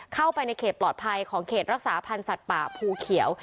เข้าไปในเขตปลอดภัยของเขตรักษาพันธ์สัตว์ป่าภูเขียว